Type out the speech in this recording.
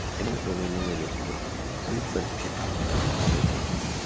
El nombre proviene del uso de su superficie para poner tabaco.